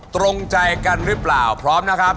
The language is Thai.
ตรงใจกันหรือเปล่าพร้อมนะครับ